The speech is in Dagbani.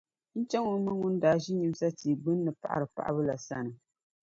N-chaŋ o ma ŋun daa ʒi nyimsa tia gbunni m-paɣiri paɣibu la sani.